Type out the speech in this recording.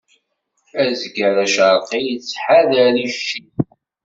Azger acerqi ittḥadar icc-is.